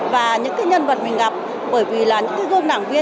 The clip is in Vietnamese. và những cái nhân vật mình gặp bởi vì là những cái gương đảng viên